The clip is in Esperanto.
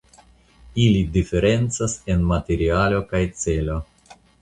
Ili diferencas en materialo kaj celo.